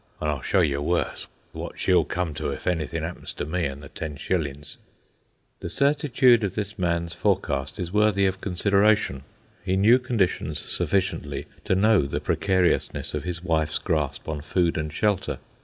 An' I'll show you worse, wot she'll come to if anythin' 'appens to me and the ten shillings." The certitude of this man's forecast is worthy of consideration. He knew conditions sufficiently to know the precariousness of his wife's grasp on food and shelter.